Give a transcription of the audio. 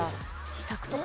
秘策とか？